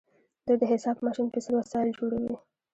دوی د حساب ماشین په څیر وسایل جوړوي.